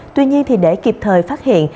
tuy nhiên thì để kịp thời phát hiện